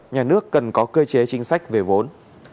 nhà nước cần có cơ chế chính sách về vốn